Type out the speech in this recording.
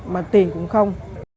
mà tiền cũng không